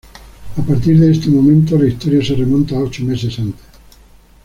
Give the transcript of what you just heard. A partir de este momento la historia se remonta ocho meses antes.